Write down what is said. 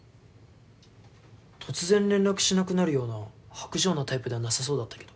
突然連絡しなくなるような薄情なタイプではなさそうだったけど。